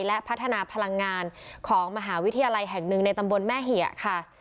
และพัฒนาพลังงานของมหาวิทยาลัยแห่งหนึ่งในตำบลแม่เหี่ยค่ะ